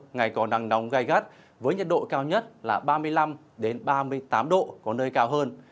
ngày có nắng nóng gai gắt với nhiệt độ cao nhất là ba mươi năm ba mươi tám độ có nơi cao hơn